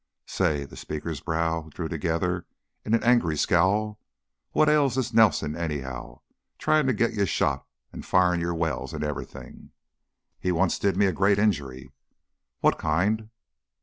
Say" the speaker's brows drew together in an angry scowl "what ails this Nelson, anyhow tryin' to get you shot, an' firin' your wells, an' everything?" "He once did me a great injury." "What kind?"